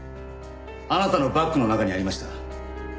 あなたのバッグの中にありました。